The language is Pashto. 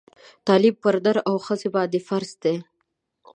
تعلیم پر نر او ښځه باندي فرض دی